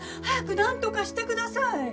早くなんとかしてください！